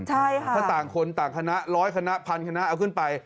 ถ้าต่างคนเท่านั้นหรือต่างคณะ๑๐๐๑๐๐๐คณะเอาขึ้นไป